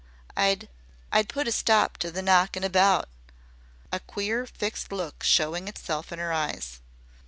I'd I'd put a stop to the knockin' about," a queer fixed look showing itself in her eyes.